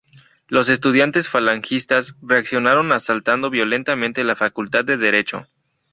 Los estudiantes falangistas reaccionaron asaltando violentamente la Facultad de Derecho.